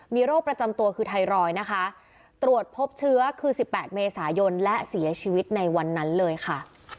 มีโรคประจำตัวคือไทรอยด์นะคะตรวจพบเชื้อคือ๑๘เมษายนและเสียชีวิตในวันนั้นเลยค่ะ